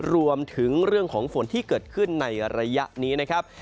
รวมถึงเรื่องของฝนที่เกิดขึ้นในระยะนี้นะครับ